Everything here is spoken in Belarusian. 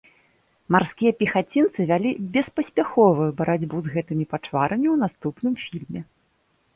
Марскія пехацінцы вялі беспаспяховую барацьбу з гэтымі пачварамі ў наступным фільме.